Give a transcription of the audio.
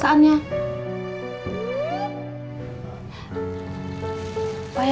sekarang mak gimana perasaannya